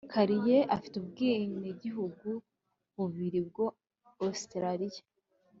Kylie afite ubwenegihugu bubiri bwa Ositaraliya